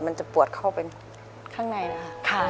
มันจะปวดเข้าไปข้างในนะคะ